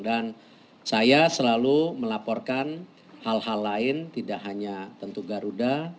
dan saya selalu melaporkan hal hal lain tidak hanya tentu garuda